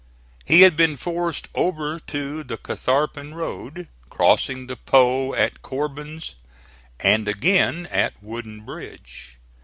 He had been forced over to the Catharpin Road, crossing the Po at Corbin's and again at Wooden Bridge.